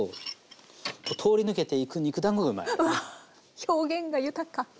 表現が豊か。